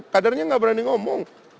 kadernya enggak berani ngomong